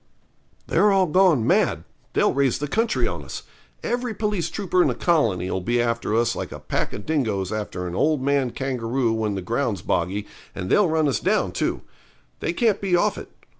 'They're all gone mad they'll raise the country on us. Every police trooper in the colony'll be after us like a pack of dingoes after an old man kangaroo when the ground's boggy, and they'll run us down, too; they can't be off it.